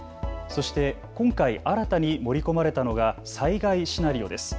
そして今回、新たに盛り込まれたのが災害シナリオです。